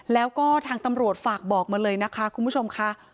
แล้วก็ทางตำรวจฝากบอกมาเลยนะคะคุณผู้ชมค่ะ